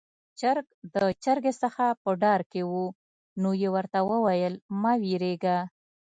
چرګ د چرګې څخه په ډار کې وو، نو يې ورته وويل: 'مه وېرېږه'.